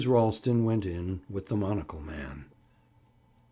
Ralston went in with the monocle man.